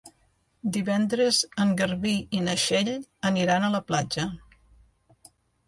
Divendres en Garbí i na Txell aniran a la platja.